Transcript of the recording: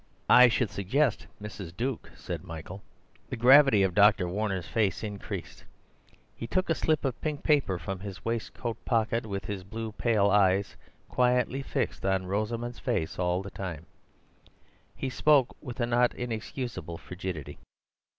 "I should suggest Mrs. Duke," said Michael. The gravity of Dr. Warner's face increased. He took a slip of pink paper from his waistcoat pocket, with his pale blue eyes quietly fixed on Rosamund's face all the time. He spoke with a not inexcusable frigidity.